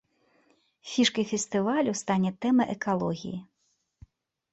Фішкай фестывалю стане тэма экалогіі.